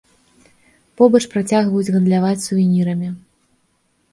Побач працягваюць гандляваць сувенірамі.